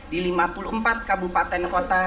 di lima puluh empat kabupaten kota